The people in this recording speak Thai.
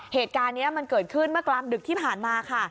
เหตุการณ์นี้มันเกิดขึ้นเมื่อกลางดึกที่ผ่านมาค่ะ